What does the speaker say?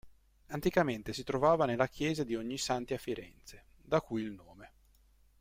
Anticamente si trovava nella chiesa di Ognissanti a Firenze, da cui il nome.